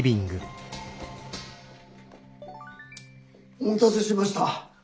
お待たせしました。